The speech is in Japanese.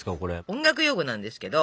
音楽用語なんですけど。